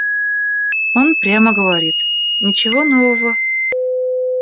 Он прямо говорит: «Ничего нового».